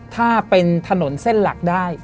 ถ้าเป็นถนนเส้นหลักได้